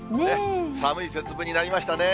寒い節分になりましたね。